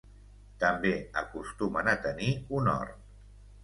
També acostumen a tenir un hort.